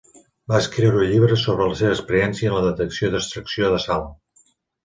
Va escriure llibres sobre la seva experiència en la detecció i extracció de sal.